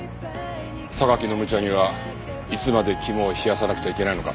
榊のむちゃにはいつまで肝を冷やさなくちゃいけないのかって。